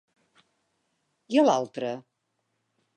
I a l'altre?